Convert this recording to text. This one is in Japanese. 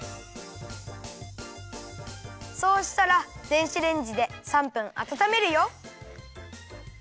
そうしたら電子レンジで３分あたためるよ。